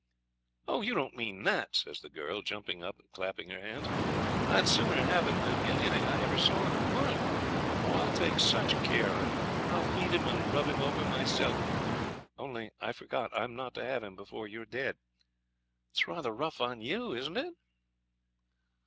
'Oh! you don't mean it,' says the girl, jumping up and clapping her hands; 'I'd sooner have him than anything I ever saw in the world. Oh! I'll take such care of him. I'll feed him and rub him over myself; only I forgot, I'm not to have him before you're dead. It's rather rough on you, isn't it?'